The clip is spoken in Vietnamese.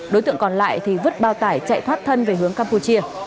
đối tượng còn lại thì vứt bao tải chạy thoát thân về hướng campuchia